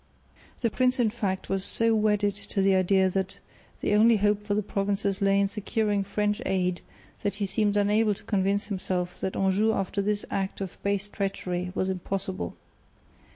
The prince in fact was so wedded to the idea that the only hope for the provinces lay in securing French aid that he seemed unable to convince himself that Anjou after this act of base treachery was impossible.